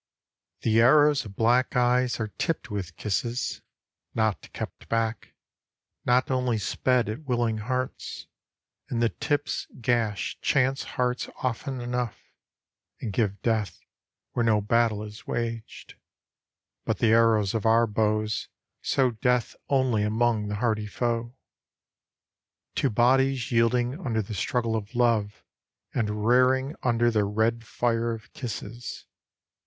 The arrows of black eyes are tipped with kisses Not kept back, not only sped at willing hearts, And the tips gash chance hearts often enough And give death where no battle is waged ..♦ But the arrows of our bows Sow death only among the hardy foe. To bodies yielding under the struggle of love And rearing under the red fire of kisses.